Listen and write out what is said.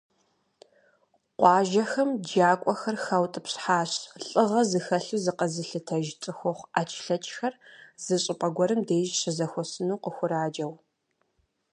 Къуажэхэм джакӀуэхэр хаутӀыпщхьащ, лӀыгъэ зыхэлъу зыкъэзылъытэж цӀыхухъу Ӏэчлъэчхэр зы щӀыпӀэ гуэрым деж щызэхуэсыну къыхураджэу.